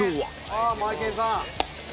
「あっマエケンさん！」